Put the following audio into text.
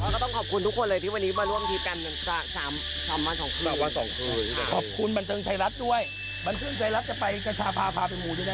ก็ต้องขอบคุณทุกคนเลยที่วันนี้มาร่วมทีกันจากสามวันสองคืนขอบคุณบันเติมใจรับด้วยบันเติมใจรับจะไปกระชาภาพาเป็นบุญ